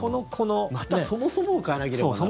また、そもそもを変えなければならないと。